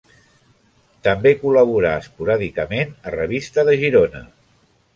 També col·laborà esporàdicament a Revista de Girona.